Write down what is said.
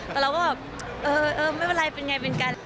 แล้วเราก็แบบเออไม่เป็นไรเป็นอย่างไรเป็นกัน